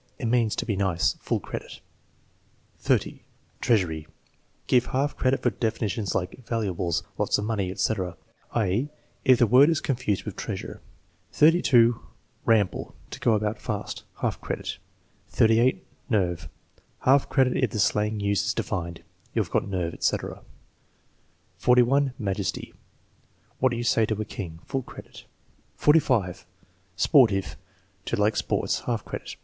"It means to be nice." (Full credit.) 30. Treasury. Give half credit for definitions like "Valuables," "Lots of money," etc.; i.e., if the word is confused with treasure. 3& Ramble. "To go about fast." (Half credit.) 38. Nerve. Half credit if the slang use is defined, "You've got nerve," etc. 41. Majesty. "What you say to a king." (Full credit.) 45. Sportive. "To like sports." (Half credit.)